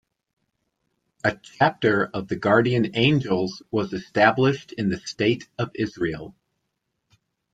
A chapter of the Guardian Angels was established in the State of Israel.